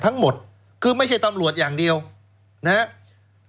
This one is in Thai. ทั้งหมดคือไม่ใช่ตำรวจอย่างเดียวนะครับ